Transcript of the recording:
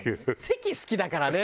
関好きだからね！